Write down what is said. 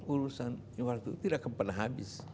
urusan iwal itu tidak akan pernah habis